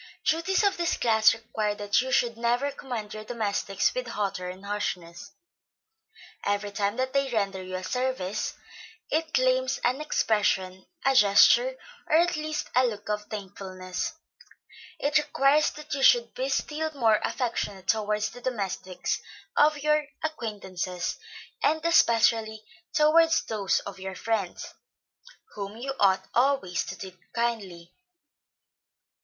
Duties of this class require that you should never command your domestics with hauteur and harshness. Every time that they render you a service, it claims an expression, a gesture, or at least a look of thankfulness; it requires that you should be still more affectionate towards the domestics of your acquaintances, and especially towards those of your friends, whom you ought always to treat kindly.